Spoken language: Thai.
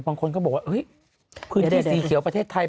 บางคนก็บอกว่าเฮ้ยพื้นที่สีเขียวประเทศไทย